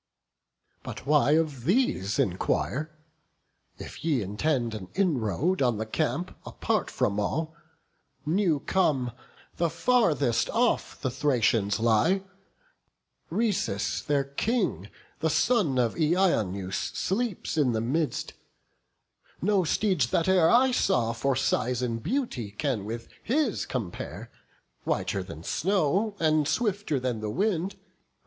But why of these enquire? if ye intend An inroad on the camp, apart from all, New come, the farthest off, the Thracians lie: Rhesus their King, the son of Eioneus, Sleeps in the midst; no steeds that e'er I saw For size and beauty can with his compare: Whiter than snow, and swifter than the wind.